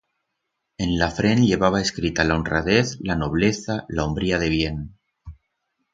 En la frent lleva escrita la honradez, la nobleza, la hombría de bien.